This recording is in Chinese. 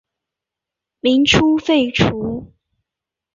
民初废除。